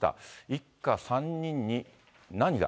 一家３人に何が。